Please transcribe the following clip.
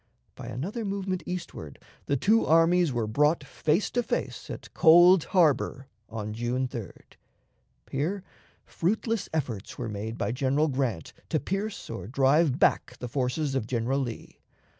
By another movement eastward the two armies were brought face to face at Cold Harbor on June 3d. Here fruitless efforts were made by General Grant to pierce or drive back the forces of General Lee.